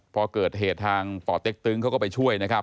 พอเกิดเหตุทางป่อเต็กตึงเขาก็ไปช่วยนะครับ